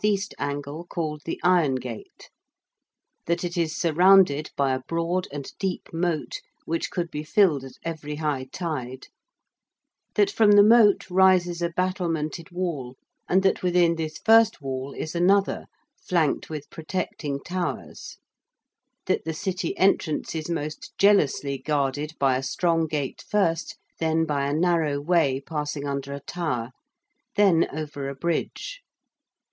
E. angle called the Irongate: that it is surrounded by a broad and deep moat which could be filled at every high tide: that from the moat rises a battlemented wall, and that within this first wall is another, flanked with protecting towers; that the City entrance is most jealously guarded by a strong gate first: then by a narrow way passing under a tower: then over a bridge.